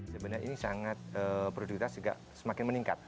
sebenarnya ini sangat produktifitas juga semakin meningkat